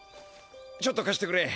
ちょっとかしてくれ。